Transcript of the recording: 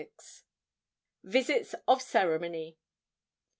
VISITS OF CEREMONY.